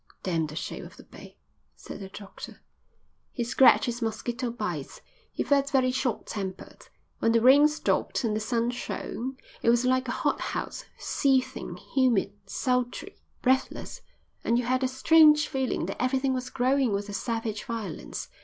"Damn the shape of the bay," said the doctor. He scratched his mosquito bites. He felt very short tempered. When the rain stopped and the sun shone, it was like a hothouse, seething, humid, sultry, breathless, and you had a strange feeling that everything was growing with a savage violence.